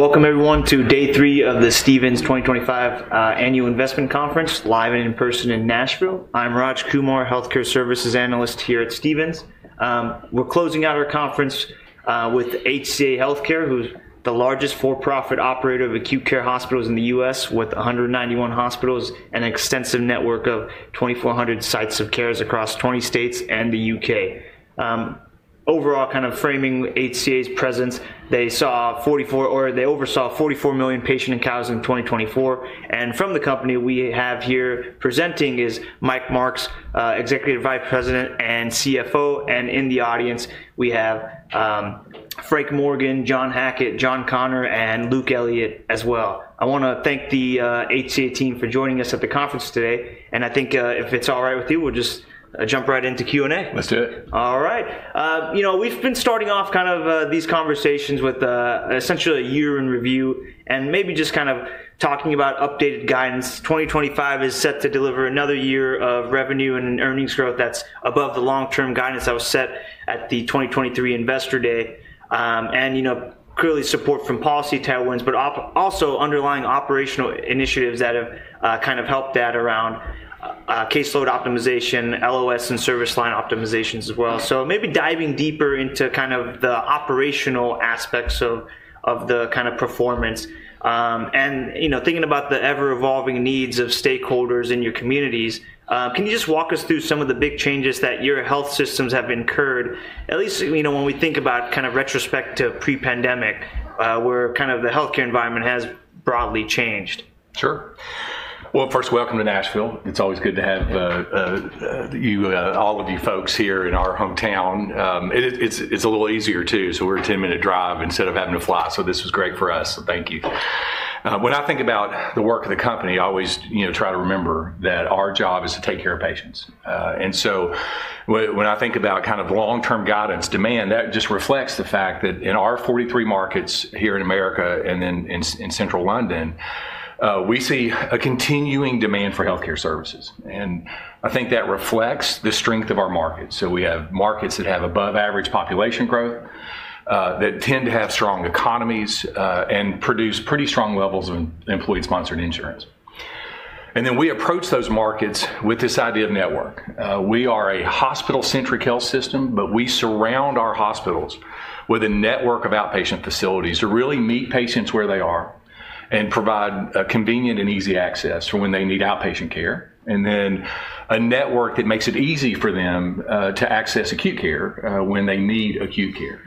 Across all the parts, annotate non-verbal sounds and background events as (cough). All right. Welcome, everyone, to Day three of the Stephens 2025 Annual Investment Conference, live and in person in Nashville. I'm Raj Kumar, Healthcare Services Analyst here at Stephens. We're closing out our conference with HCA Healthcare, who's the largest for-profit operator of acute care hospitals in the U.S., with 191 hospitals and an extensive network of 2,400 sites of care across 20 states and the U.K. Overall, kind of framing HCA's presence, they oversaw 44 million patient encounters in 2024. And from the company we have here presenting is Mike Marks, Executive Vice President and CFO. In the audience, we have Frank Morgan, John Hackett, John Connor, and Luke Elliott as well. I want to thank the HCA team for joining us at the conference today. I think, if it's all right with you, we'll just jump right into Q&A. Let's do it. All right. You know, we've been starting off kind of these conversations with essentially a year in review and maybe just kind of talking about updated guidance. 2025 is set to deliver another year of revenue and earnings growth that's above the long-term guidance that was set at the 2023 Investor Day. You know, clearly support from policy tailwinds, but also underlying operational initiatives that have kind of helped that around caseload optimization, LOS, and service line optimizations as well. Maybe diving deeper into kind of the operational aspects of the kind of performance. You know, thinking about the ever-evolving needs of stakeholders in your communities, can you just walk us through some of the big changes that your health systems have incurred, at least, you know, when we think about kind of retrospective pre-pandemic, where kind of the healthcare environment has broadly changed? Sure. First, welcome to Nashville. It's always good to have all of you folks here in our hometown. It's a little easier too, so we're a 10-minute drive instead of having to fly. This was great for us. Thank you. When I think about the work of the company, I always try to remember that our job is to take care of patients. When I think about kind of long-term guidance demand, that just reflects the fact that in our 43 markets here in the United States and then in Central London, we see a continuing demand for healthcare services. I think that reflects the strength of our markets. We have markets that have above-average population growth, that tend to have strong economies, and produce pretty strong levels of employee-sponsored insurance. We approach those markets with this idea of network. We are a hospital-centric health system, but we surround our hospitals with a network of outpatient facilities to really meet patients where they are and provide convenient and easy access for when they need outpatient care, and then a network that makes it easy for them to access acute care when they need acute care.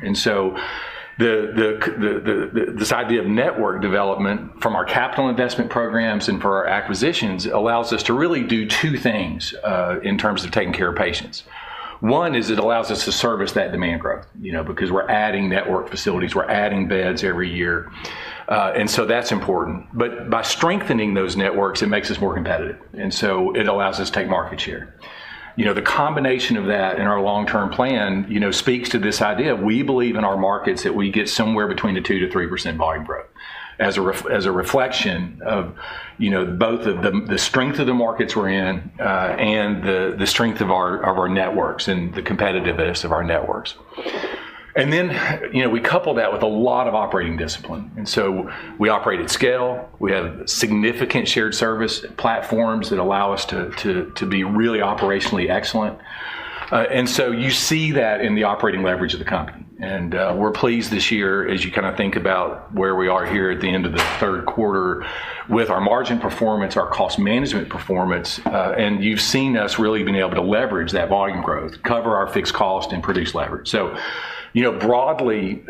This idea of network development from our capital investment programs and for our acquisitions allows us to really do two things in terms of taking care of patients. One is it allows us to service that demand growth, you know, because we're adding network facilities, we're adding beds every year. That is important. By strengthening those networks, it makes us more competitive. It allows us to take market share. The combination of that and our long-term plan, you know, speaks to this idea. We believe in our markets that we get somewhere between the 2%-3% volume growth as a reflection of, you know, both the strength of the markets we're in and the strength of our networks and the competitiveness of our networks. You know, we couple that with a lot of operating discipline. We operate at scale. We have significant shared service platforms that allow us to be really operationally excellent. You see that in the operating leverage of the company. We're pleased this year as you kind of think about where we are here at the end of the third quarter with our margin performance, our cost management performance. You've seen us really being able to leverage that volume growth, cover our fixed cost, and produce leverage. You know, broadly,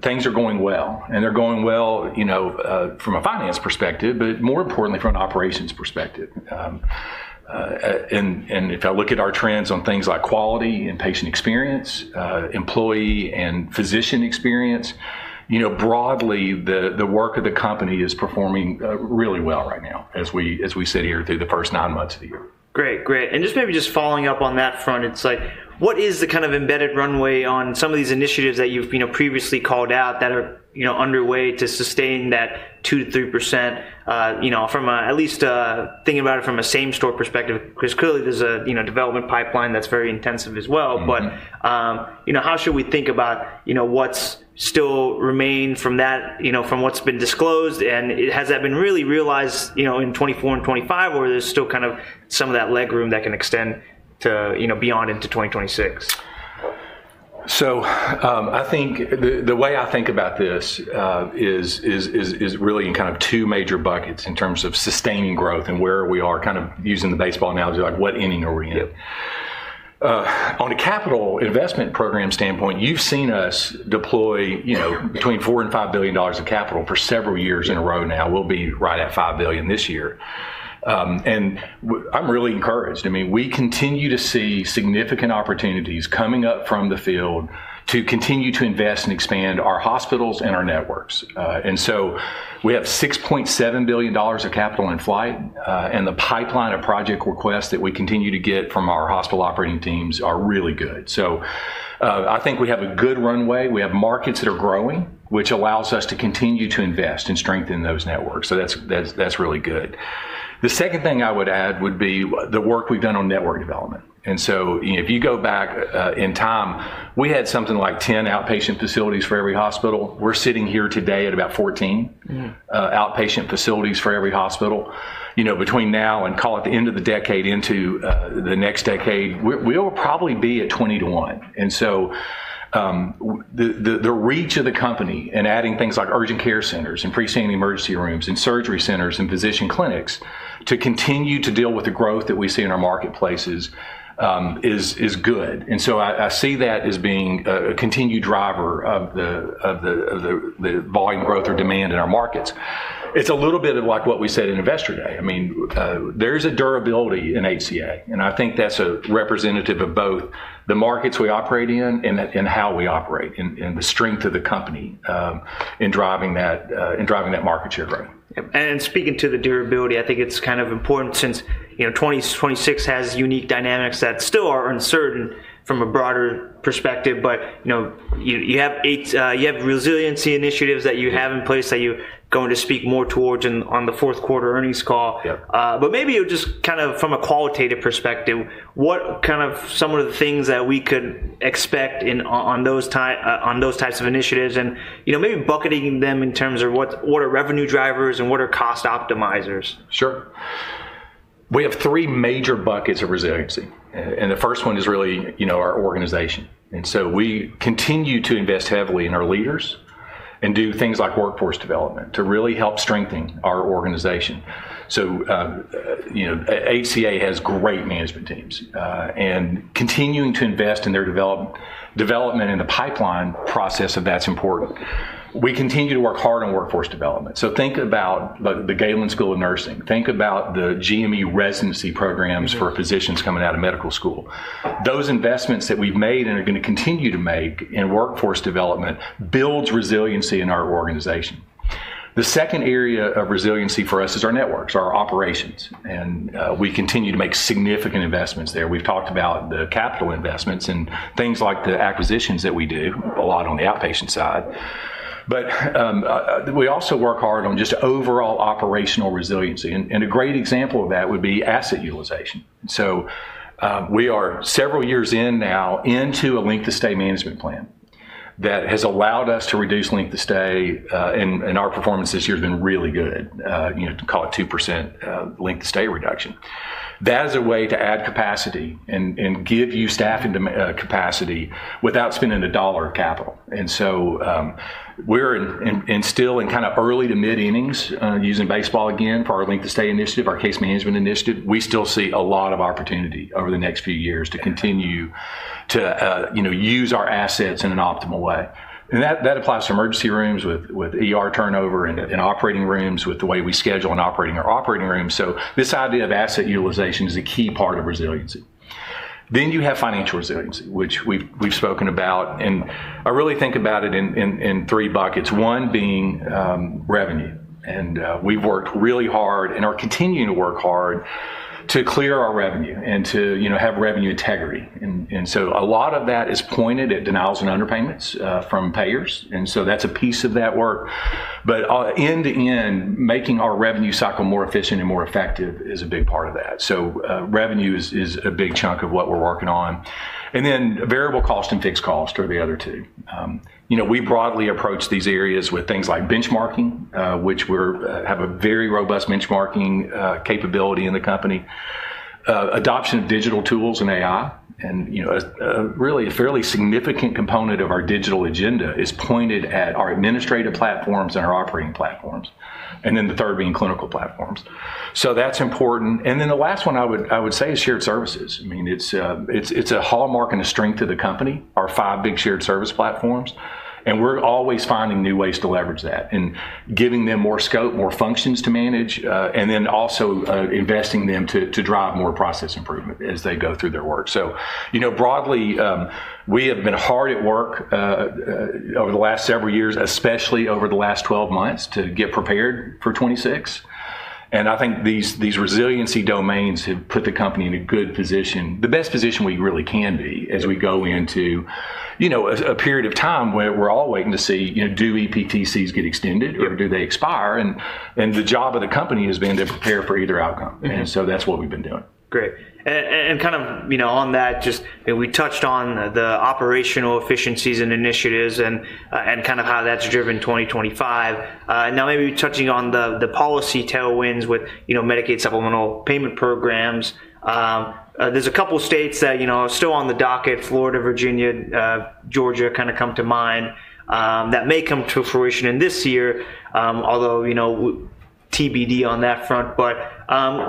things are going well. They're going well, you know, from a finance perspective, but more importantly, from an operations perspective. If I look at our trends on things like quality and patient experience, employee and physician experience, you know, broadly, the work of the company is performing really well right now, as we sit here through the first nine months of the year. Great. Great. Just maybe just following up on that front, it's like, what is the kind of embedded runway on some of these initiatives that you've, you know, previously called out that are, you know, underway to sustain that 2%-3%, you know, from at least thinking about it from a same-store perspective? Because clearly there's a, you know, development pipeline that's very intensive as well. You know, how should we think about, you know, what's still remained from that, you know, from what's been disclosed? Has that been really realized, you know, in 2024 and 2025, or there's still kind of some of that leg room that can extend to, you know, beyond into 2026? I think the way I think about this is really in kind of two major buckets in terms of sustaining growth and where we are kind of using the baseball analogy of like, what inning are we in? On a capital investment program standpoint, you've seen us deploy, you know, between $4 billion and $5 billion of capital for several years in a row now. We'll be right at $5 billion this year. I mean, we continue to see significant opportunities coming up from the field to continue to invest and expand our hospitals and our networks. We have $6.7 billion of capital in flight. The pipeline of project requests that we continue to get from our hospital operating teams are really good. I think we have a good runway. We have markets that are growing, which allows us to continue to invest and strengthen those networks. That is really good. The second thing I would add would be the work we have done on network development. You know, if you go back in time, we had something like 10 outpatient facilities for every hospital. We are sitting here today at about 14 outpatient facilities for every hospital. You know, between now and, call it, the end of the decade into the next decade, we will probably be at 20 to 1. The reach of the company and adding things like urgent care centers and freestanding emergency rooms and surgery centers and physician clinics to continue to deal with the growth that we see in our marketplaces is good. I see that as being a continued driver of the volume growth or demand in our markets. It's a little bit of like what we said at Investor Day. I mean, there's a durability in HCA. And I think that's a representative of both the markets we operate in and how we operate and the strength of the company in driving that market share growth. Speaking to the durability, I think it's kind of important since, you know, 2026 has unique dynamics that still are uncertain from a broader perspective. You have resiliency initiatives that you have in place that you're going to speak more towards on the fourth quarter earnings call. Maybe just kind of from a qualitative perspective, what are some of the things that we could expect on those types of initiatives and, you know, maybe bucketing them in terms of what are revenue drivers and what are cost optimizers? Sure. We have three major buckets of resiliency. The first one is really, you know, our organization. We continue to invest heavily in our leaders and do things like workforce development to really help strengthen our organization. You know, HCA has great management teams. Continuing to invest in their development and the pipeline process of that's important. We continue to work hard on workforce development. Think about the Galen College of Nursing. Think about the GME residency programs for physicians coming out of medical school. Those investments that we've made and are going to continue to make in workforce development builds resiliency in our organization. The second area of resiliency for us is our networks, our operations. We continue to make significant investments there. We've talked about the capital investments and things like the acquisitions that we do a lot on the outpatient side. We also work hard on just overall operational resiliency. A great example of that would be asset utilization. We are several years in now into a length of stay management plan that has allowed us to reduce length of stay. Our performance this year has been really good. You know, call it 2% length of stay reduction. That is a way to add capacity and give you staffing capacity without spending a dollar of capital. We're instilling kind of early to mid-earnings using baseball again for our length of stay initiative, our case management initiative. We still see a lot of opportunity over the next few years to continue to, you know, use our assets in an optimal way. That applies to emergency rooms with turnover and operating rooms with the way we schedule and operating our operating rooms. This idea of asset utilization is a key part of resiliency. You have financial resiliency, which we've spoken about. I really think about it in three buckets. One being revenue. We've worked really hard and are continuing to work hard to clear our revenue and to, you know, have revenue integrity. A lot of that is pointed at denials and underpayments from payers. That's a piece of that work. End-to-end, making our revenue cycle more efficient and more effective is a big part of that. Revenue is a big chunk of what we're working on. Variable cost and fixed cost are the other two. You know, we broadly approach these areas with things like benchmarking, which we have a very robust benchmarking capability in the company, adoption of digital tools and AI. You know, really a fairly significant component of our digital agenda is pointed at our administrative platforms and our operating platforms. The third being clinical platforms. That is important. The last one I would say is shared services. I mean, it is a hallmark and a strength of the company, our five big shared service platforms. We are always finding new ways to leverage that and giving them more scope, more functions to manage, and also investing them to drive more process improvement as they go through their work. You know, broadly, we have been hard at work over the last several years, especially over the last 12 months to get prepared for 2026. I think these resiliency domains have put the company in a good position, the best position we really can be as we go into, you know, a period of time where we're all waiting to see, you know, do EPTCs get extended or do they expire? The job of the company has been to prepare for either outcome. That is what we've been doing. Great. Kind of, you know, on that, just we touched on the operational efficiencies and initiatives and kind of how that's driven 2025. Now maybe touching on the policy tailwinds with, you know, Medicaid supplemental payment programs. There are a couple of states that, you know, are still on the docket: Florida, Virginia, Georgia kind of come to mind that may come to fruition in this year, although, you know, TBD on that front.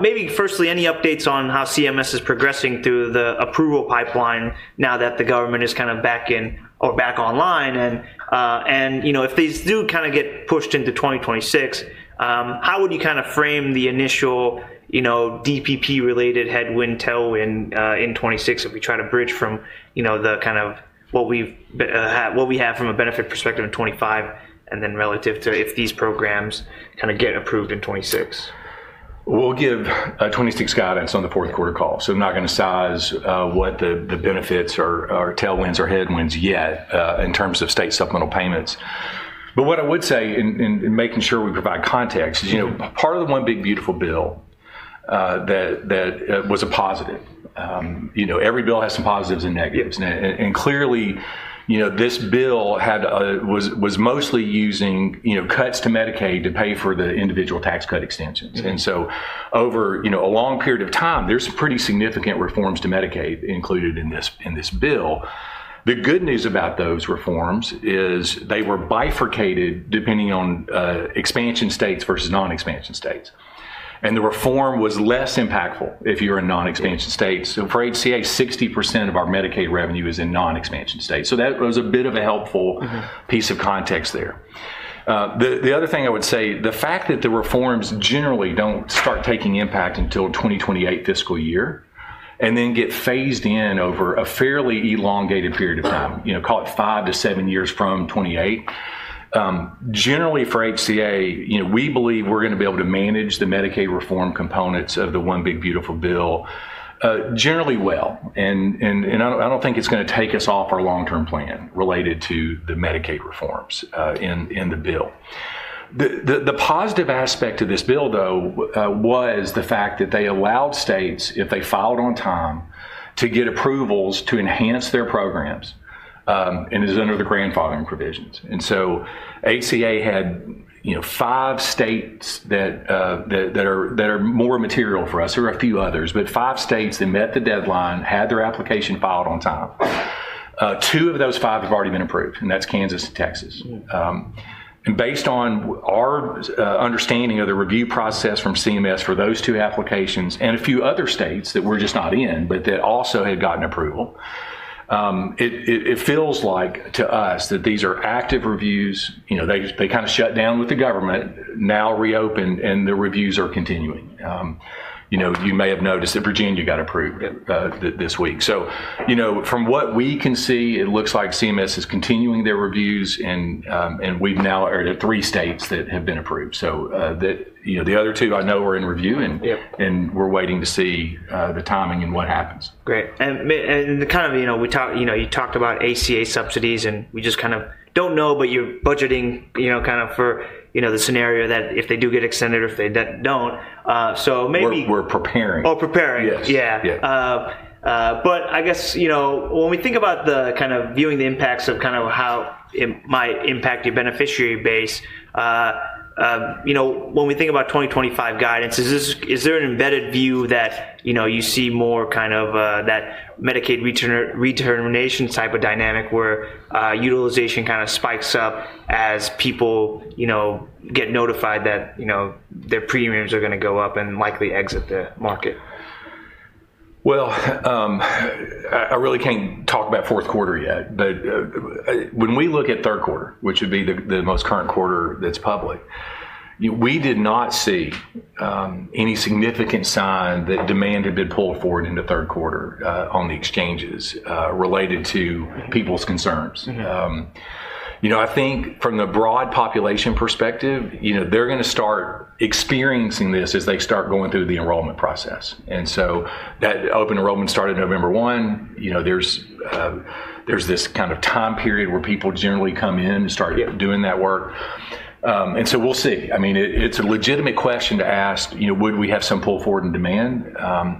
Maybe firstly, any updates on how CMS is progressing through the approval pipeline now that the government is kind of back in or back online? If these do kind of get pushed into 2026, how would you kind of frame the initial, you know, DPP-related headwind tailwind in 2026 if we try to bridge from, you know, the kind of what we have from a benefit perspective in 2025 and then relative to if these programs kind of get approved in 2026? We'll give 2026 guidance on the fourth quarter call. I'm not going to size what the benefits are tailwinds or headwinds yet in terms of state supplemental payments. What I would say in making sure we provide context is, you know, part of the one big beautiful bill that was a positive. You know, every bill has some positives and negatives. Clearly, you know, this bill was mostly using, you know, cuts to Medicaid to pay for the individual tax cut extensions. Over a long period of time, there's some pretty significant reforms to Medicaid included in this bill. The good news about those reforms is they were bifurcated depending on expansion states versus non-expansion states. The reform was less impactful if you're in non-expansion states. For HCA, 60% of our Medicaid revenue is in non-expansion states. That was a bit of a helpful piece of context there. The other thing I would say, the fact that the reforms generally do not start taking impact until the 2028 fiscal year and then get phased in over a fairly elongated period of time, you know, call it five to seven years from 2028. Generally for HCA, you know, we believe we are going to be able to manage the Medicaid reform components of the one big beautiful bill generally well. I do not think it is going to take us off our long-term plan related to the Medicaid reforms in the bill. The positive aspect of this bill, though, was the fact that they allowed states, if they filed on time, to get approvals to enhance their programs and it is under the grandfathering provisions. HCA had, you know, five states that are more material for us. There are a few others, but five states that met the deadline had their application filed on time. Two of those five have already been approved, and that's Kansas and Texas. Based on our understanding of the review process from CMS for those two applications and a few other states that we're just not in, but that also had gotten approval, it feels like to us that these are active reviews. You know, they kind of shut down with the government, now reopened, and the reviews are continuing. You know, you may have noticed that Virginia got approved this week. You know, from what we can see, it looks like CMS is continuing their reviews, and we've now added three states that have been approved. The other two I know are in review, and we're waiting to see the timing and what happens. Great. Kind of, you know, we talked, you know, you talked about HCA subsidies, and we just kind of don't know, but you're budgeting, you know, kind of for, you know, the scenario that if they do get extended or if they don't. Maybe. We're preparing. Oh, preparing. Yes. Yeah. I guess, you know, when we think about the kind of viewing the impacts of kind of how it might impact your beneficiary base, you know, when we think about 2025 guidance, is there an embedded view that, you know, you see more kind of that Medicaid returnation type of dynamic where utilization kind of spikes up as people, you know, get notified that, you know, their premiums are going to go up and likely exit the market? I really can't talk about fourth quarter yet. When we look at third quarter, which would be the most current quarter that's public, we did not see any significant sign that demand had been pulled forward into third quarter on the exchanges related to people's concerns. You know, I think from the broad population perspective, you know, they're going to start experiencing this as they start going through the enrollment process. That open enrollment started November 1. You know, there's this kind of time period where people generally come in and start doing that work. We'll see. I mean, it's a legitimate question to ask, you know, would we have some pull forward in demand?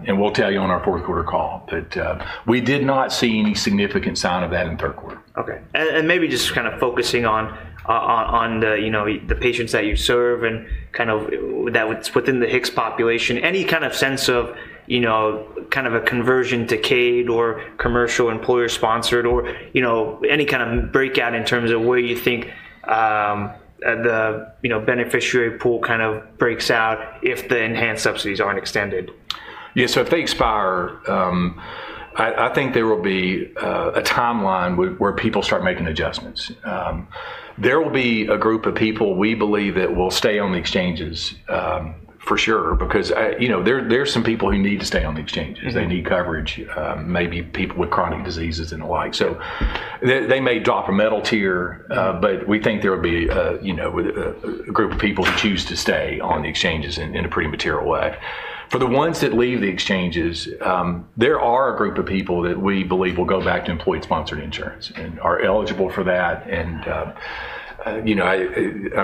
We'll tell you on our fourth quarter call that we did not see any significant sign of that in third quarter. Okay. Maybe just kind of focusing on, you know, the patients that you serve and kind of that's within the HCCS population, any kind of sense of, you know, kind of a conversion to CADE or commercial employer-sponsored or, you know, any kind of breakout in terms of where you think the, you know, beneficiary pool kind of breaks out if the enhanced subsidies aren't extended? Yeah. If they expire, I think there will be a timeline where people start making adjustments. There will be a group of people we believe that will stay on the exchanges for sure because, you know, there are some people who need to stay on the exchanges. They need coverage, maybe people with chronic diseases and the like. They may drop a medal tier, but we think there will be, you know, a group of people who choose to stay on the exchanges in a pretty material way. For the ones that leave the exchanges, there are a group of people that we believe will go back to employee-sponsored insurance and are eligible for that. You know, I'm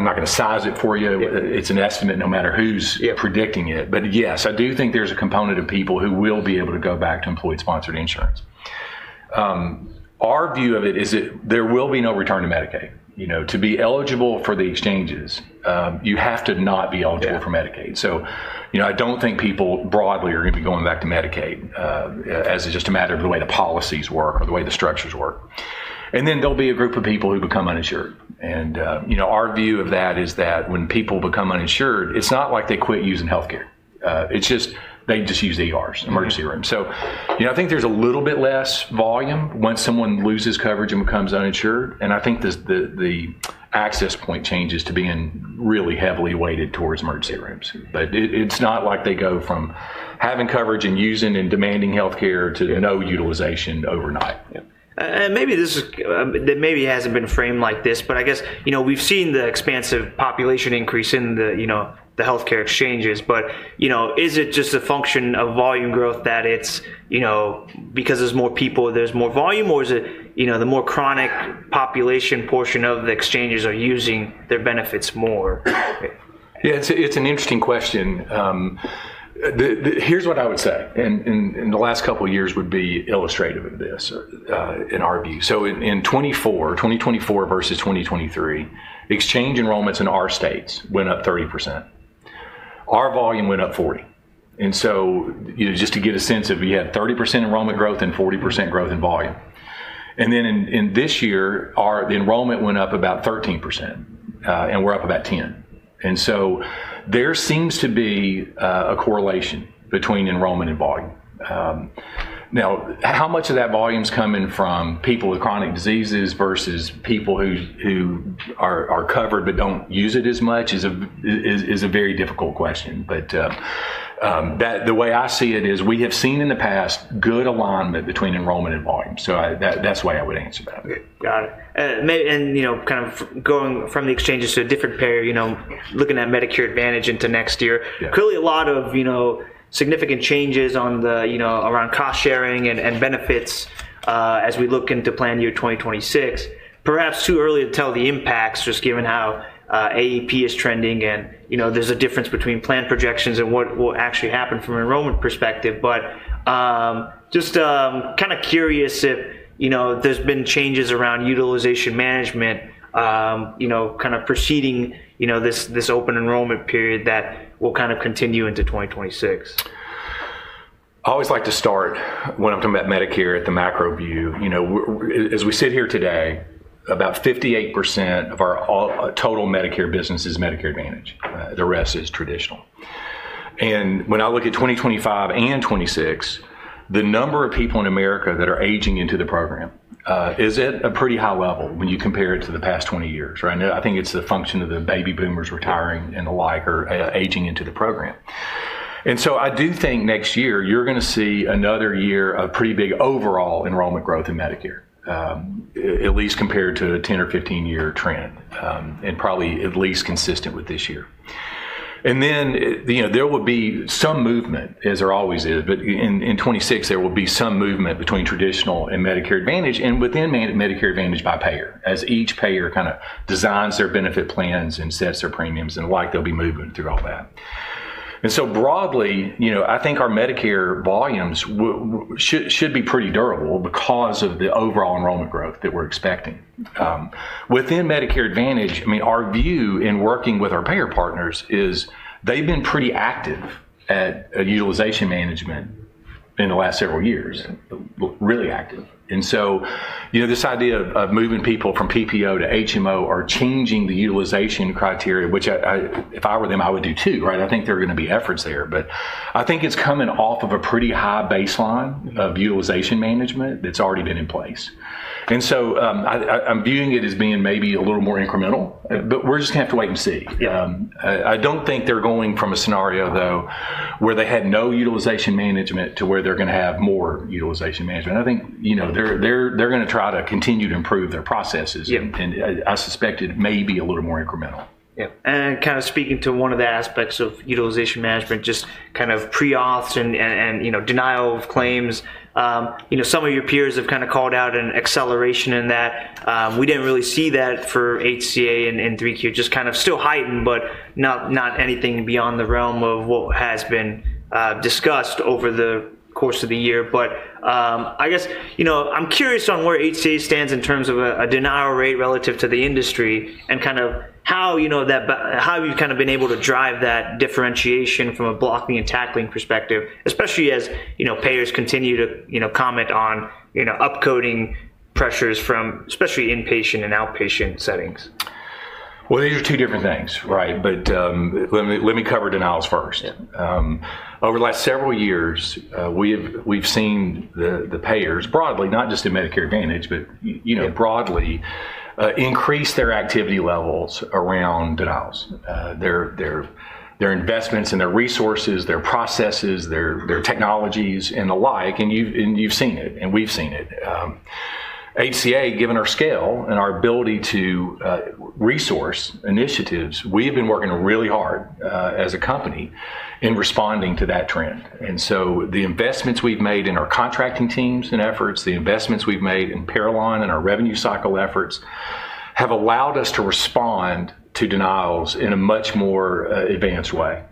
not going to size it for you. It's an estimate no matter who's predicting it. Yes, I do think there's a component of people who will be able to go back to employee-sponsored insurance. Our view of it is that there will be no return to Medicaid. You know, to be eligible for the exchanges, you have to not be eligible for Medicaid. You know, I don't think people broadly are going to be going back to Medicaid as just a matter of the way the policies work or the way the structures work. There will be a group of people who become uninsured. You know, our view of that is that when people become uninsured, it's not like they quit using healthcare. It's just they just use ERs, emergency rooms. You know, I think there's a little bit less volume once someone loses coverage and becomes uninsured. I think the access point changes to being really heavily weighted towards emergency rooms. It is not like they go from having coverage and using and demanding healthcare to no utilization overnight. Maybe this maybe hasn't been framed like this, but I guess, you know, we've seen the expansive population increase in the, you know, the healthcare exchanges. But, you know, is it just a function of volume growth that it's, you know, because there's more people, there's more volume? Or is it, you know, the more chronic population portion of the exchanges are using their benefits more? Yeah, it's an interesting question. Here's what I would say. The last couple of years would be illustrative of this in our view. In 2024 versus 2023, exchange enrollments in our states went up 30%. Our volume went up 40. You know, just to get a sense of we had 30% enrollment growth and 40% growth in volume. In this year, the enrollment went up about 13% and we're up about 10. There seems to be a correlation between enrollment and volume. Now, how much of that volume is coming from people with chronic diseases versus people who are covered but do not use it as much is a very difficult question. The way I see it is we have seen in the past good alignment between enrollment and volume. That's the way I would answer that. Got it. You know, kind of going from the exchanges to a different payer, you know, looking at Medicare Advantage into next year, clearly a lot of, you know, significant changes on the, you know, around cost sharing and benefits as we look into plan year 2026. Perhaps too early to tell the impacts just given how AEP is trending and, you know, there's a difference between plan projections and what will actually happen from an enrollment perspective. Just kind of curious if, you know, there's been changes around utilization management, you know, kind of preceding, you know, this open enrollment period that will kind of continue into 2026. I always like to start when I'm talking about Medicare at the macro view. You know, as we sit here today, about 58% of our total Medicare business is Medicare Advantage. The rest is traditional. When I look at 2025 and 2026, the number of people in America that are aging into the program is at a pretty high level when you compare it to the past 20 years. I think it's the function of the baby boomers retiring and the like are aging into the program. I do think next year you're going to see another year of pretty big overall enrollment growth in Medicare, at least compared to a 10 or 15-year trend and probably at least consistent with this year. You know, there will be some movement, as there always is, but in 2026 there will be some movement between traditional and Medicare Advantage and within Medicare Advantage by payer as each payer kind of designs their benefit plans and sets their premiums and the like, they'll be moving through all that. Broadly, you know, I think our Medicare volumes should be pretty durable because of the overall enrollment growth that we're expecting. Within Medicare Advantage, I mean, our view in working with our payer partners is they've been pretty active at utilization management in the last several years, really active. You know, this idea of moving people from PPO to HMO or changing the utilization criteria, which if I were them, I would do too, right? I think there are going to be efforts there. I think it's coming off of a pretty high baseline of utilization management that's already been in place. I'm viewing it as being maybe a little more incremental, but we're just going to have to wait and see. I don't think they're going from a scenario, though, where they had no utilization management to where they're going to have more utilization management. I think, you know, they're going to try to continue to improve their processes. I suspect it may be a little more incremental. Yeah. Kind of speaking to one of the aspects of utilization management, just kind of pre-auths and, you know, denial of claims, you know, some of your peers have kind of called out an acceleration in that. We did not really see that for HCA in 3Q, just kind of still heightened, but not anything beyond the realm of what has been discussed over the course of the year. I guess, you know, I am curious on where HCA stands in terms of a denial rate relative to the industry and kind of how, you know, how you have kind of been able to drive that differentiation from a blocking and tackling perspective, especially as, you know, payers continue to, you know, comment on, you know, upcoding pressures from especially inpatient and outpatient settings. These are two different things, right? Let me cover denials first. Over the last several years, we've seen the payers broadly, not just in Medicare Advantage, but, you know, broadly increase their activity levels around denials, their investments and their resources, their processes, their technologies and the like. You have seen it and we have seen it. HCA, given our scale and our ability to resource initiatives, we've been working really hard as a company in responding to that trend. The investments we've made in our contracting teams and efforts, the investments we've made in Paralon and our revenue cycle efforts have allowed us to respond to denials in a much more advanced way.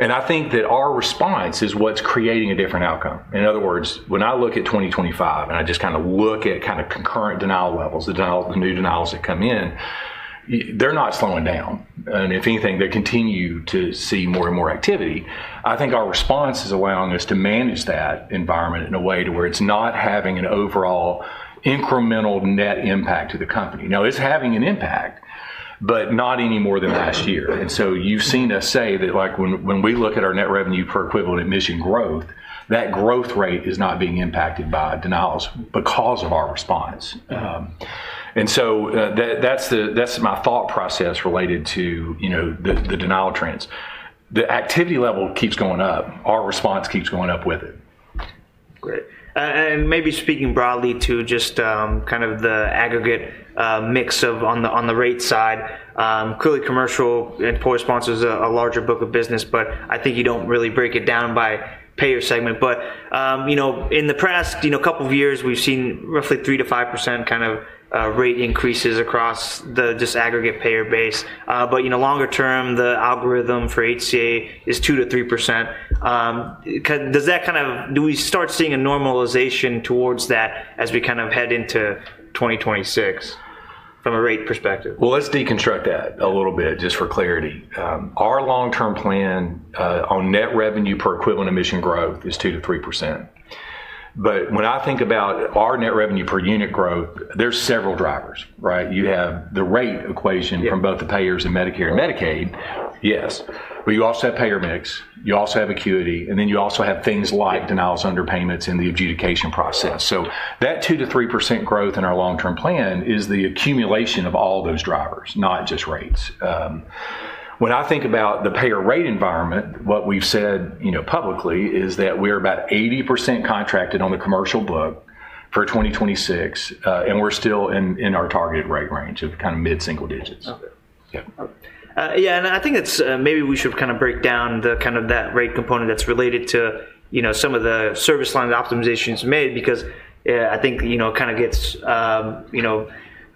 I think that our response is what's creating a different outcome. In other words, when I look at 2025 and I just kind of look at kind of concurrent denial levels, the new denials that come in, they're not slowing down. If anything, they continue to see more and more activity. I think our response is allowing us to manage that environment in a way to where it's not having an overall incremental net impact to the company. Now, it's having an impact, but not any more than last year. You have seen us say that like when we look at our net revenue per equivalent admission growth, that growth rate is not being impacted by denials because of our response. That is my thought process related to, you know, the denial trends. The activity level keeps going up. Our response keeps going up with it. Great. Maybe speaking broadly to just kind of the aggregate mix on the rate side, clearly commercial employee sponsor is a larger book of business, but I think you do not really break it down by payer segment. You know, in the past, a couple of years, we have seen roughly 3%-5% kind of rate increases across the just aggregate payer base. You know, longer term, the algorithm for HCA is 2%-3%. Does that kind of, do we start seeing a normalization towards that as we kind of head into 2026 from a rate perspective? Let's deconstruct that a little bit just for clarity. Our long-term plan on net revenue per equivalent admission growth is 2%-3%. When I think about our net revenue per unit growth, there are several drivers, right? You have the rate equation from both the payers and Medicare and Medicaid, yes. You also have payer mix. You also have acuity. Then you also have things like denials, underpayments, and the adjudication process. That 2%-3% growth in our long-term plan is the accumulation of all those drivers, not just rates. When I think about the payer rate environment, what we've said, you know, publicly is that we're about 80% contracted on the commercial book for 2026. We're still in our targeted rate range of kind of mid-single digits. Yeah. I think maybe we should kind of break down the kind of that rate component that's related to, you know, some of the service line optimizations made because I think, you know, it kind of gets, you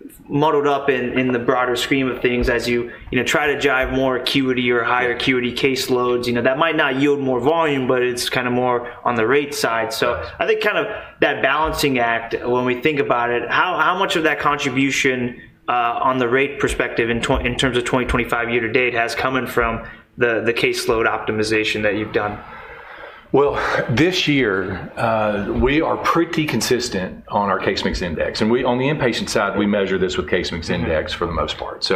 know, muddled up in the broader scheme of things as you, you know, try to drive more acuity or higher acuity caseloads. You know, that might not yield more volume, but it's kind of more on the rate side. I think kind of that balancing act, when we think about it, how much of that contribution on the rate perspective in terms of 2025 year to date has come in from the caseload optimization that you've done? This year, we are pretty consistent on our case mix index. On the inpatient side, we measure this with case mix index for the most part.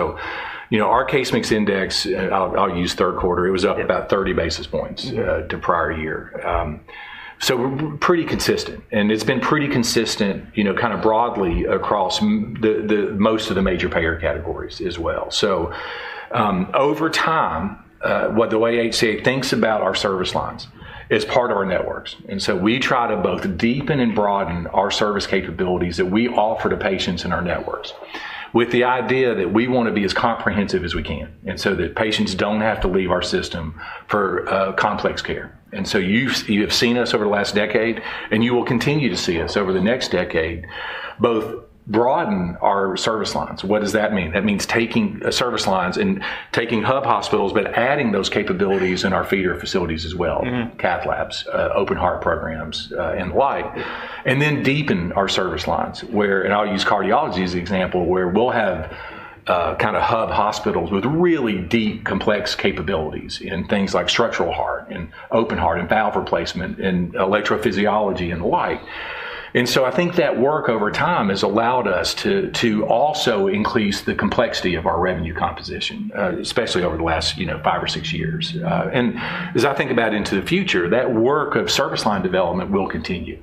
You know, our case mix index, I'll use third quarter, it was up about 30 basis points to prior year. We are pretty consistent. It has been pretty consistent, you know, kind of broadly across most of the major payer categories as well. Over time, the way HCA thinks about our service lines is part of our networks. We try to both deepen and broaden our service capabilities that we offer to patients in our networks with the idea that we want to be as comprehensive as we can and so that patients do not have to leave our system for complex care. You have seen us over the last decade and you will continue to see us over the next decade both broaden our service lines. What does that mean? That means taking service lines and taking hub hospitals, but adding those capabilities in our feeder facilities as well, cath labs, open heart programs and the like. Then deepen our service lines where, and I'll use cardiology as an example, where we'll have kind of hub hospitals with really deep complex capabilities in things like structural heart and open heart and valve replacement and electrophysiology and the like. I think that work over time has allowed us to also increase the complexity of our revenue composition, especially over the last, you know, five or six years. As I think about into the future, that work of service line development will continue.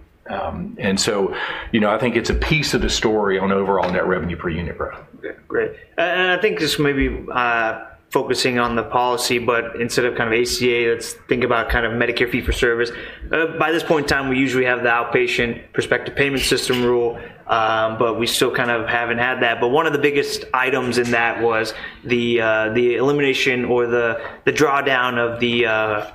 You know, I think it's a piece of the story on overall net revenue per unit growth. Great. I think just maybe focusing on the policy, but instead of kind of HCA, let's think about kind of Medicare fee for service. By this point in time, we usually have the outpatient prospective payment system rule, but we still kind of haven't had that. One of the biggest items in that was the elimination or the drawdown of the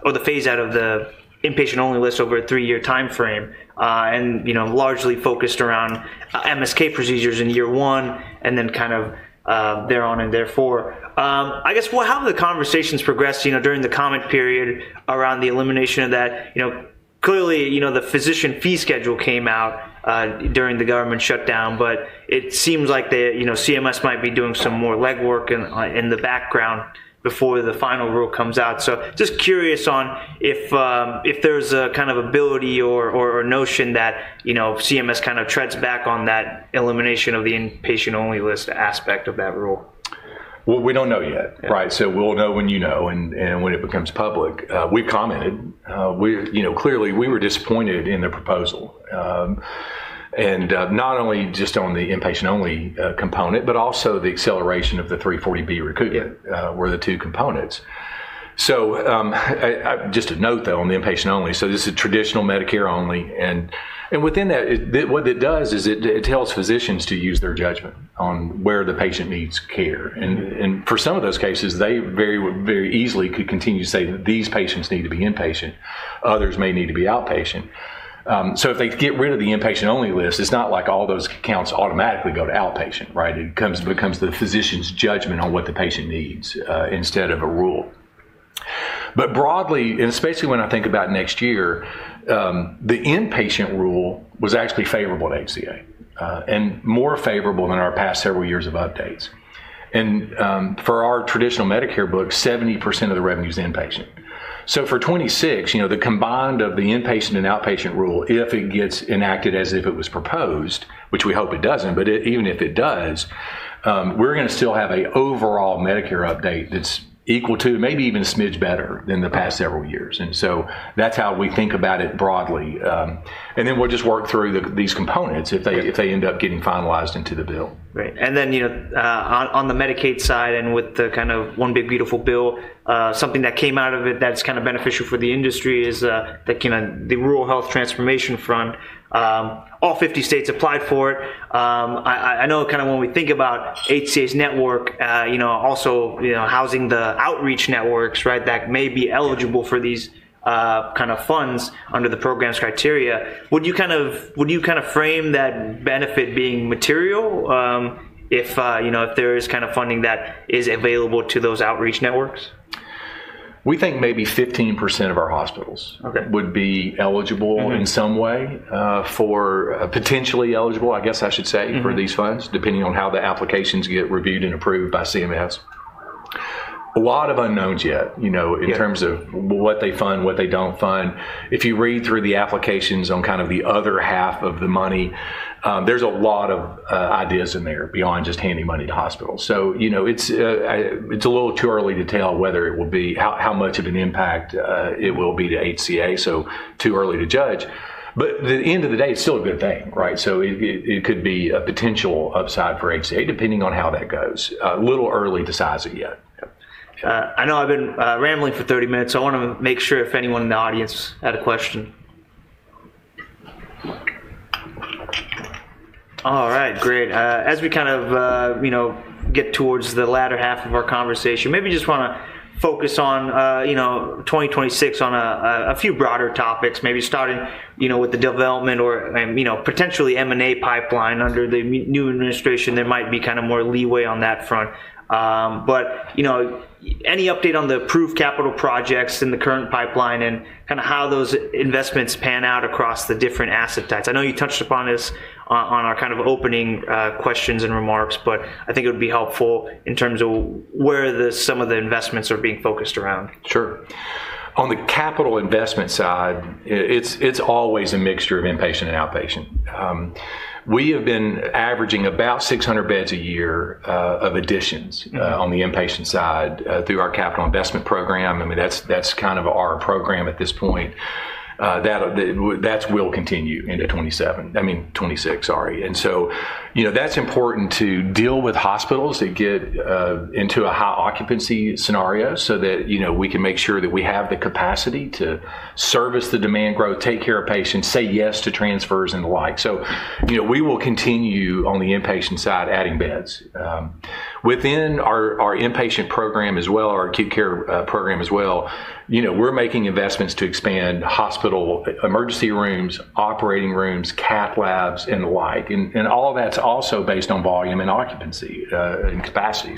or the phase out of the inpatient-only list over a three-year timeframe and, you know, largely focused around MSK procedures in year one and then kind of thereon and therefore. I guess, how have the conversations progressed, you know, during the comment period around the elimination of that? You know, clearly, you know, the physician fee schedule came out during the government shutdown, but it seems like the, you know, CMS might be doing some more legwork in the background before the final rule comes out. Just curious on if there's a kind of ability or notion that, you know, CMS kind of treads back on that elimination of the inpatient-only list aspect of that rule. We do not know yet, right? We will know when you know and when it becomes public. We have commented. You know, clearly we were disappointed in the proposal and not only just on the inpatient-only component, but also the acceleration of the 340B recruitment were the two components. Just a note though on the inpatient-only, this is traditional Medicare only. Within that, what it does is it tells physicians to use their judgment on where the patient needs care. For some of those cases, they very easily could continue to say that these patients need to be inpatient. Others may need to be outpatient. If they get rid of the inpatient-only list, it is not like all those counts automatically go to outpatient, right? It becomes the physician's judgment on what the patient needs instead of a rule. Broadly, and especially when I think about next year, the inpatient rule was actually favorable to HCA Healthcare and more favorable than our past several years of updates. For our traditional Medicare book, 70% of the revenue is inpatient. For 2026, you know, the combined of the inpatient and outpatient rule, if it gets enacted as if it was proposed, which we hope it does not, but even if it does, we are going to still have an overall Medicare update that is equal to, maybe even a smidge better than the past several years. That is how we think about it broadly. We will just work through these components if they end up getting finalized into the bill. Right. You know, on the Medicaid side and with the kind of one big beautiful bill, something that came out of it that's kind of beneficial for the industry is the, you know, the rural health transformation front. All 50 states applied for it. I know kind of when we think about HCA's network, you know, also, you know, housing the outreach networks, right, that may be eligible for these kind of funds under the program's criteria. Would you kind of frame that benefit being material if, you know, if there is kind of funding that is available to those outreach networks? We think maybe 15% of our hospitals would be eligible in some way for potentially eligible, I guess I should say, for these funds, depending on how the applications get reviewed and approved by CMS. A lot of unknowns yet, you know, in terms of what they fund, what they do not fund. If you read through the applications on kind of the other half of the money, there is a lot of ideas in there beyond just handing money to hospitals. You know, it is a little too early to tell whether it will be how much of an impact it will be to HCA. Too early to judge. At the end of the day, it is still a good thing, right? It could be a potential upside for HCA depending on how that goes. A little early to size it yet. I know I've been rambling for 30 minutes. I want to make sure if anyone in the audience had a question. All right. Great. As we kind of, you know, get towards the latter half of our conversation, maybe just want to focus on, you know, 2026 on a few broader topics, maybe starting, you know, with the development or, you know, potentially M&A pipeline under the new administration. There might be kind of more leeway on that front. You know, any update on the proof capital projects in the current pipeline and kind of how those investments pan out across the different asset types? I know you touched upon this on our kind of opening questions and remarks, but I think it would be helpful in terms of where some of the investments are being focused around. Sure. On the capital investment side, it's always a mixture of inpatient and outpatient. We have been averaging about 600 beds a year of additions on the inpatient side through our capital investment program. I mean, that's kind of our program at this point. That will continue into 2027. I mean, 2026, sorry. You know, that's important to deal with hospitals that get into a high occupancy scenario so that, you know, we can make sure that we have the capacity to service the demand growth, take care of patients, say yes to transfers and the like. You know, we will continue on the inpatient side adding beds. Within our inpatient program as well, our acute care program as well, you know, we're making investments to expand hospital emergency rooms, operating rooms, cath labs, and the like. All of that's also based on volume and occupancy and capacity.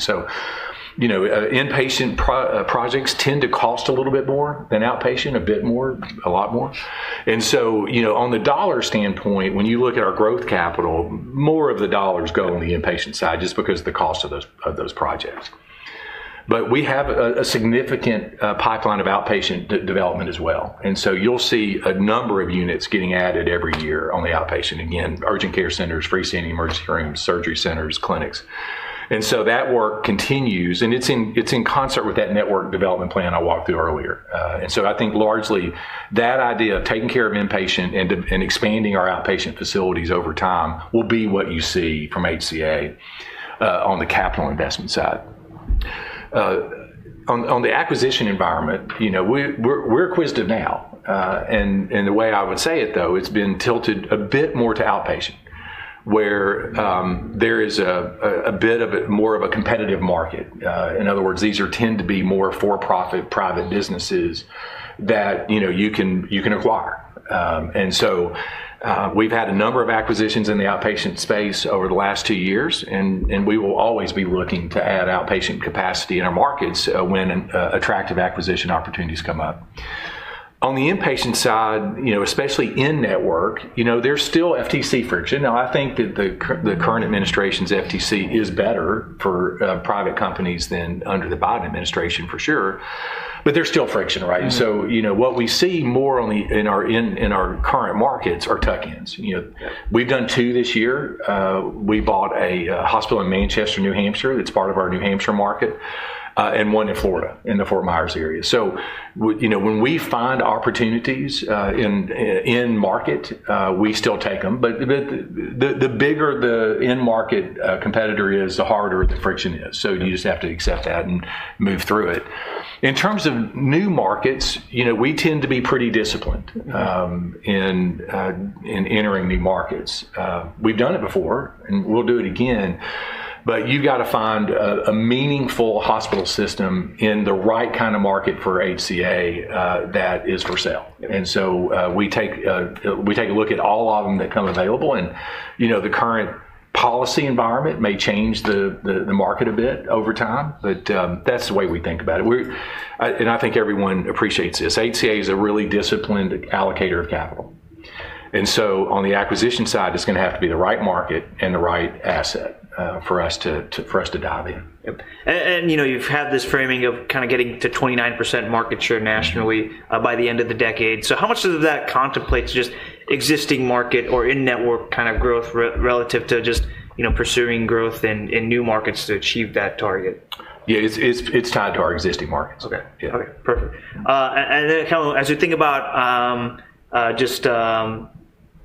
You know, inpatient projects tend to cost a little bit more than outpatient, a bit more, a lot more. You know, on the dollar standpoint, when you look at our growth capital, more of the dollars go on the inpatient side just because of the cost of those projects. We have a significant pipeline of outpatient development as well. You'll see a number of units getting added every year on the outpatient. Again, urgent care centers, freestanding emergency rooms, surgery centers, clinics. That work continues and it's in concert with that network development plan I walked through earlier. I think largely that idea of taking care of inpatient and expanding our outpatient facilities over time will be what you see from HCA on the capital investment side. On the acquisition environment, you know, we're quizzed of now. The way I would say it though, it's been tilted a bit more to outpatient where there is a bit of more of a competitive market. In other words, these tend to be more for-profit private businesses that, you know, you can acquire. You know, we've had a number of acquisitions in the outpatient space over the last two years and we will always be looking to add outpatient capacity in our markets when attractive acquisition opportunities come up. On the inpatient side, you know, especially in network, you know, there's still FTC friction. I think that the current administration's FTC is better for private companies than under the Biden administration for sure, but there's still friction, right? You know, what we see more in our current markets are tuck-ins. You know, we've done two this year. We bought a hospital in Manchester, New Hampshire that's part of our New Hampshire market and one in Florida in the Fort Myers area. You know, when we find opportunities in market, we still take them. The bigger the in-market competitor is, the harder the friction is. You just have to accept that and move through it. In terms of new markets, you know, we tend to be pretty disciplined in entering new markets. We've done it before and we'll do it again, but you've got to find a meaningful hospital system in the right kind of market for HCA that is for sale. We take a look at all of them that come available and, you know, the current policy environment may change the market a bit over time, but that's the way we think about it. I think everyone appreciates this. HCA is a really disciplined allocator of capital. On the acquisition side, it's going to have to be the right market and the right asset for us to dive in. You know, you've had this framing of kind of getting to 29% market share nationally by the end of the decade. How much of that contemplates just existing market or in-network kind of growth relative to just, you know, pursuing growth in new markets to achieve that target? Yeah, it's tied to our existing markets. Okay. Okay. Perfect. As we think about just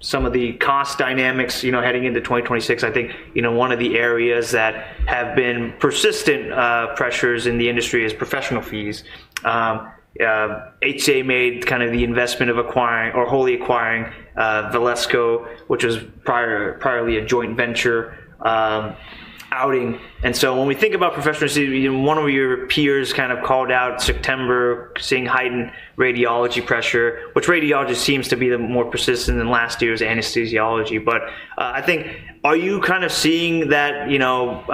some of the cost dynamics, you know, heading into 2026, I think, you know, one of the areas that have been persistent pressures in the industry is professional fees. HCA made kind of the investment of acquiring or wholly acquiring Velasco, which was priorly a joint venture outing. As we think about professional fees, one of your peers kind of called out September seeing heightened radiology pressure, which radiology seems to be more persistent than last year's anesthesiology. I think, are you kind of seeing that, you know,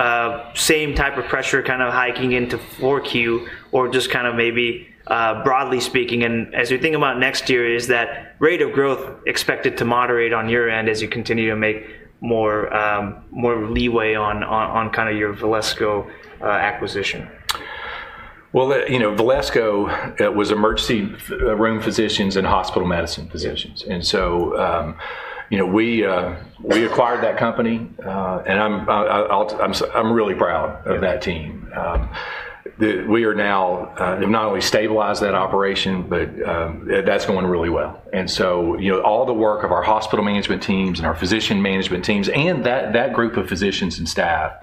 same type of pressure kind of hiking into 4Q or just kind of maybe broadly speaking? As we think about next year, is that rate of growth expected to moderate on your end as you continue to make more leeway on kind of your Velasco acquisition? You know, Velasco was emergency room physicians and hospital medicine physicians. You know, we acquired that company and I'm really proud of that team. We are now not only stabilized that operation, but that's going really well. You know, all the work of our hospital management teams and our physician management teams and that group of physicians and staff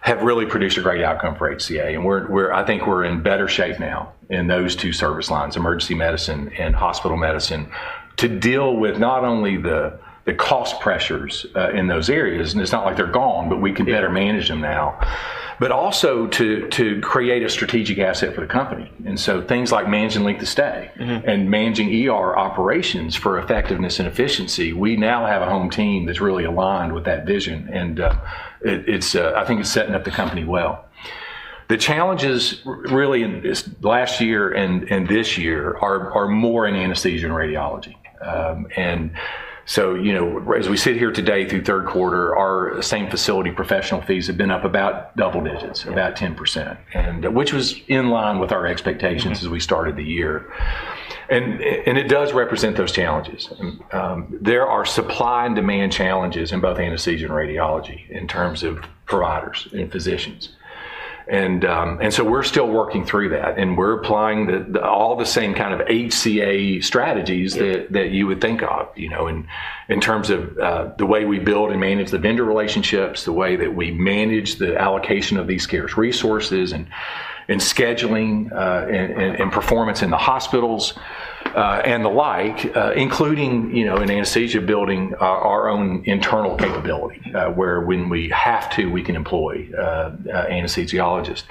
have really produced a great outcome for HCA. I think we're in better shape now in those two service lines, emergency medicine and hospital medicine, to deal with not only the cost pressures in those areas. It's not like they're gone, but we can better manage them now, but also to create a strategic asset for the company. Things like managing length of stay and managing operations for effectiveness and efficiency, we now have a home team that's really aligned with that vision. I think it's setting up the company well. The challenges really last year and this year are more in anesthesia and radiology. You know, as we sit here today through third quarter, our same facility professional fees have been up about double digits, about 10%, which was in line with our expectations as we started the year. It does represent those challenges. There are supply and demand challenges in both anesthesia and radiology in terms of providers and physicians. We're still working through that and we're applying all the same kind of HCA strategies that you would think of, you know, in terms of the way we build and manage the vendor relationships, the way that we manage the allocation of these scarce resources and scheduling and performance in the hospitals and the like, including, you know, in anesthesia building our own internal capability where when we have to, we can employ anesthesiologists.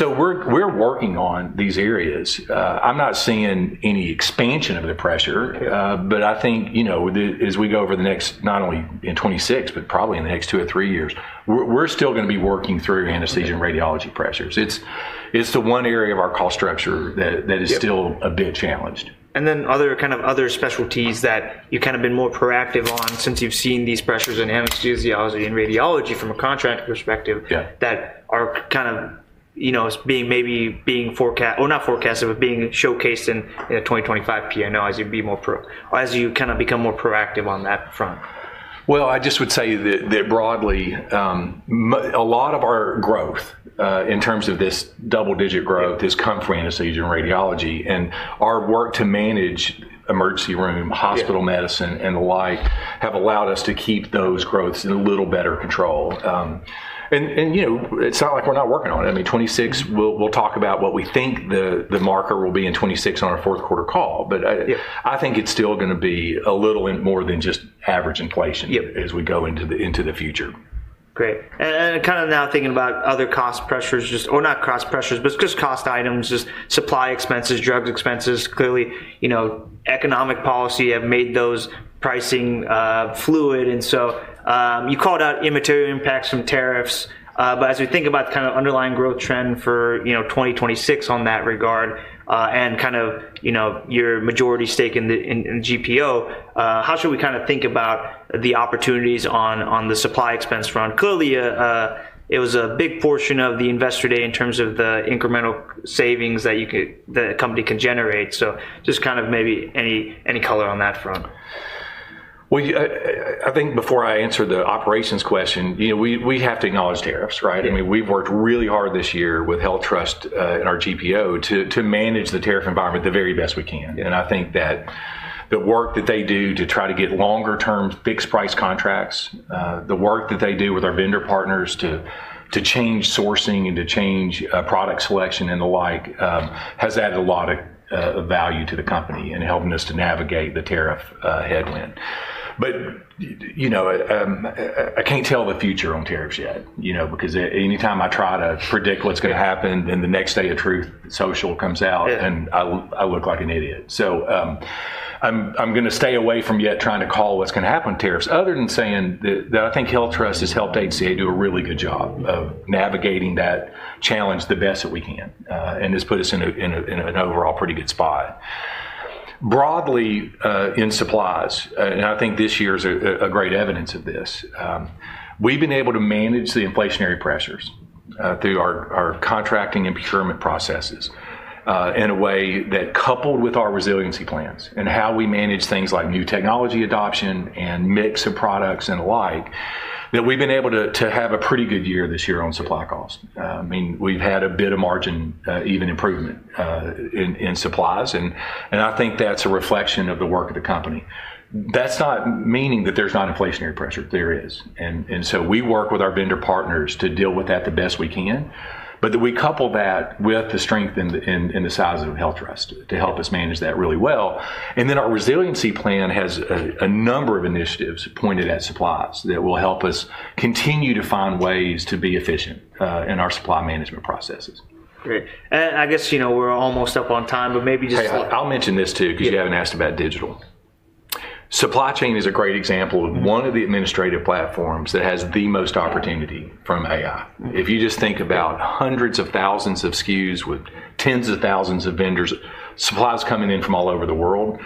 We're working on these areas. I'm not seeing any expansion of the pressure, but I think, you know, as we go over the next, not only in 2026, but probably in the next two or three years, we're still going to be working through anesthesia and radiology pressures. It's the one area of our cost structure that is still a bit challenged. Other specialties that you've kind of been more proactive on since you've seen these pressures in anesthesiology and radiology from a contract perspective that are kind of, you know, maybe being forecast or not forecasted, but being showcased in a 2025 P&O as you kind of become more proactive on that front. I just would say that broadly, a lot of our growth in terms of this double-digit growth has come from anesthesia and radiology. Our work to manage emergency room, hospital medicine, and the like have allowed us to keep those growths in a little better control. You know, it's not like we're not working on it. I mean, 2026, we'll talk about what we think the marker will be in 2026 on our fourth quarter call, but I think it's still going to be a little more than just average inflation as we go into the future. Great. Kind of now thinking about other cost pressures, just, or not cost pressures, but just cost items, just supply expenses, drug expenses, clearly, you know, economic policy have made those pricing fluid. You called out immaterial impacts from tariffs. As we think about kind of underlying growth trend for, you know, 2026 on that regard and kind of, you know, your majority stake in the GPO, how should we kind of think about the opportunities on the supply expense front? Clearly, it was a big portion of the investor day in terms of the incremental savings that the company can generate. Just kind of maybe any color on that front. I think before I answer the operations question, you know, we have to acknowledge tariffs, right? I mean, we've worked really hard this year with HealthTrust and our GPO to manage the tariff environment the very best we can. I think that the work that they do to try to get longer-term fixed price contracts, the work that they do with our vendor partners to change sourcing and to change product selection and the like has added a lot of value to the company and helping us to navigate the tariff headwind. You know, I can't tell the future on tariffs yet, you know, because anytime I try to predict what's going to happen, then the next day of truth social comes out and I look like an idiot. I'm going to stay away from yet trying to call what's going to happen on tariffs other than saying that I think HealthTrust has helped HCA do a really good job of navigating that challenge the best that we can and has put us in an overall pretty good spot. Broadly in supplies, and I think this year is a great evidence of this, we've been able to manage the inflationary pressures through our contracting and procurement processes in a way that coupled with our resiliency plans and how we manage things like new technology adoption and mix of products and the like, that we've been able to have a pretty good year this year on supply costs. I mean, we've had a bit of margin even improvement in supplies. I think that's a reflection of the work of the company. That's not meaning that there's not inflationary pressure. There is. We work with our vendor partners to deal with that the best we can, but we couple that with the strength and the size of HealthTrust to help us manage that really well. Our resiliency plan has a number of initiatives pointed at supplies that will help us continue to find ways to be efficient in our supply management processes. Great. I guess, you know, we're almost up on time, but maybe just. (crosstalk) I'll mention this too because you haven't asked about digital. Supply chain is a great example of one of the administrative platforms that has the most opportunity from AI. If you just think about hundreds of thousands of SKUs with tens of thousands of vendors, supplies coming in from all over the world,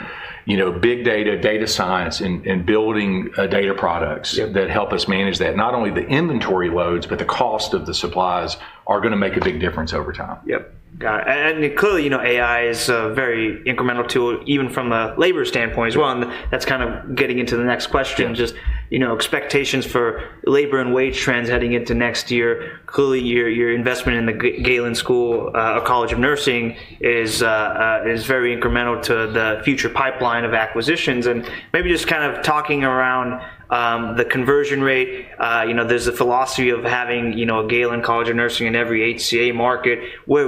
you know, big data, data science, and building data products that help us manage that, not only the inventory loads, but the cost of the supplies are going to make a big difference over time. Yep. Got it. Clearly, you know, AI is a very incremental tool even from a labor standpoint as well. That is kind of getting into the next question, just, you know, expectations for labor and wage trends heading into next year. Clearly, your investment in the Galen College of Nursing is very incremental to the future pipeline of acquisitions. Maybe just kind of talking around the conversion rate, you know, there is a philosophy of having, you know, a Galen College of Nursing in every HCA market. Where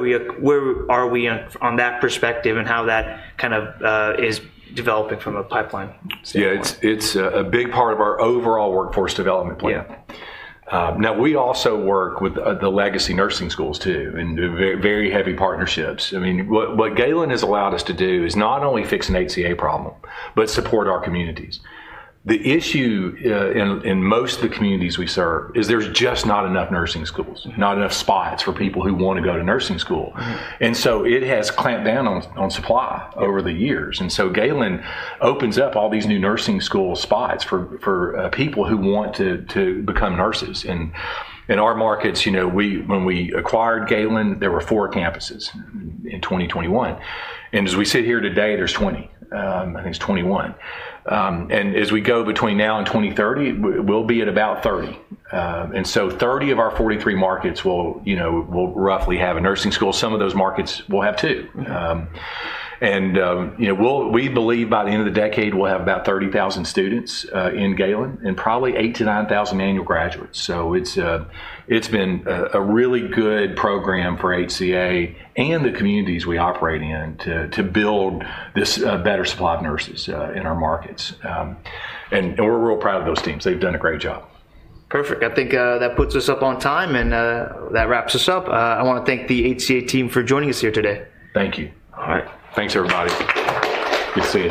are we on that perspective and how that kind of is developing from a pipeline? Yeah, it's a big part of our overall workforce development plan. Now, we also work with the legacy nursing schools too in very heavy partnerships. I mean, what Galen has allowed us to do is not only fix an HCA problem, but support our communities. The issue in most of the communities we serve is there's just not enough nursing schools, not enough spots for people who want to go to nursing school. It has clamped down on supply over the years. Galen opens up all these new nursing school spots for people who want to become nurses. In our markets, you know, when we acquired Galen, there were four campuses in 2021. As we sit here today, there's 20. I think it's 21. As we go between now and 2030, we'll be at about 30. Thirty of our 43 markets will, you know, roughly have a nursing school. Some of those markets will have two. You know, we believe by the end of the decade, we'll have about 30,000 students in Galen and probably 8,000-9,000 annual graduates. It has been a really good program for HCA and the communities we operate in to build this better supply of nurses in our markets. We're real proud of those teams. They've done a great job. Perfect. I think that puts us up on time and that wraps us up. I want to thank the HCA team for joining us here today. Thank you. All right. Thanks, everybody. Good to see you.